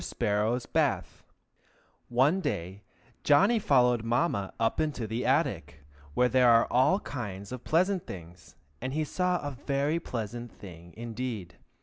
SPARROW'S BATH One day Johnny followed Mamma up into the attic, where there are all kinds of pleasant things, and he saw a very pleasant thing indeed.